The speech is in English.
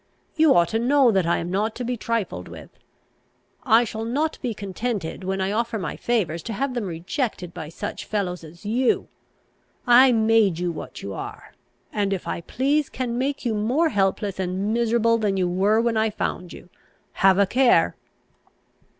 You ought to know that I am not to be trifled with. I shall not be contented, when I offer my favours, to have them rejected by such fellows as you. I made you what you are; and, if I please, can make you more helpless and miserable than you were when I found you. Have a care!"